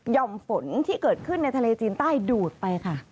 ่อมฝนที่เกิดขึ้นในทะเลจีนใต้ดูดไปค่ะ